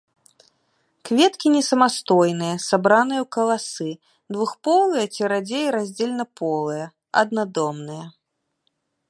Кветкі несамастойныя, сабраныя ў каласы, двухполыя ці радзей раздзельнаполыя, аднадомныя.